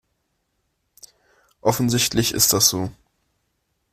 Offensichtlich ist das so.